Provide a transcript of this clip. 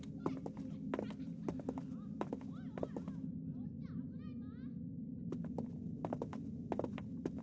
そっち危ないぞ！